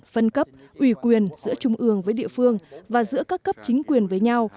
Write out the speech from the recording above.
phân cấp ủy quyền giữa trung ương với địa phương và giữa các cấp chính quyền với nhau